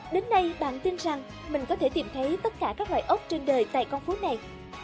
đến nay bạn tin rằng mình có thể tìm thấy tất cả các loại ốc trên đời tại con phố này